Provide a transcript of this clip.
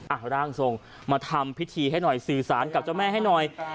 ร่างทรงมาทำพิธีให้หน่อยสื่อสารกับเจ้าแม่ให้หน่อย